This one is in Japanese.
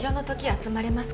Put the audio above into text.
集まれますか？